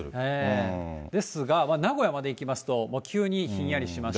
ですが、名古屋まで行きますと、急にひんやりしまして。